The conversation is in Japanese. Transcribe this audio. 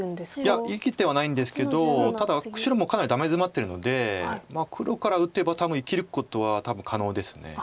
いや生きてはないんですけどただ白もかなりダメヅマってるので黒から打てば多分生きることは可能です。